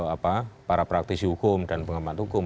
apa para praktisi hukum dan pengamat hukum